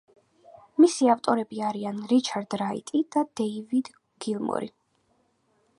მისი ავტორები არიან რიჩარდ რაიტი და დეივიდ გილმორი.